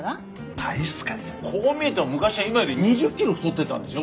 こう見えても昔は今より２０キロ太ってたんですよ